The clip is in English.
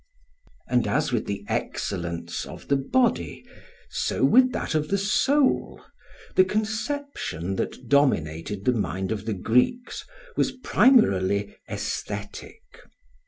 And as with the excellence of the body, so with that of the soul, the conception that dominated the mind of the Greeks was primarily aesthetic.